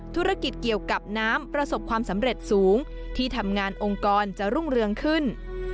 ธุรกิจเกี่ยวกับน้ำประสบความสำเร็จสูงที่ทำงานองค์กรจะรุ่งเรืองขึ้น